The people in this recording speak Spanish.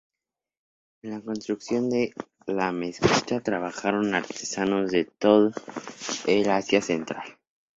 En la construcción de la mezquita trabajaron artesanos de todo el Asia central.